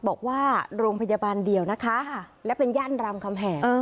บอกว่าโรงพยาบาลเดียวนะคะและเป็นย่านรามคำแหง